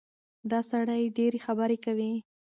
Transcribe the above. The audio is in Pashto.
دا سړی ډېرې خبرې کوي.